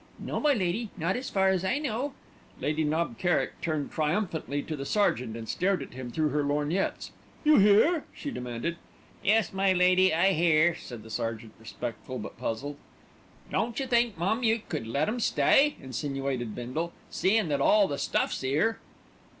"No, my lady, not as far as I know." Lady Knob Kerrick turned triumphantly to the sergeant, and stared at him through her lorgnettes. "You hear?" she demanded. "Yes, my lady, I hear," said the sergeant, respectful, but puzzled. "Don't you think, mum, you could let 'em stay," insinuated Bindle, "seein' that all the stuff's 'ere."